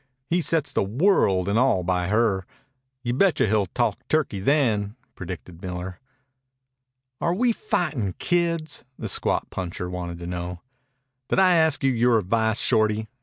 He sets the world an' all by her. Y'betcha he'll talk turkey then," predicted Miller. "Are we fightin' kids?" the squat puncher wanted to know. "Did I ask your advice, Shorty?"